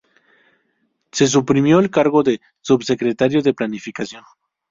Se suprimió el cargo de Subsecretario de Planificación.